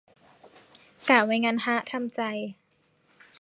กะไว้งั้นฮะ ทำใจ